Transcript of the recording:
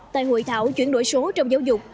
tại hội thảo chuyển đổi số trong giáo dục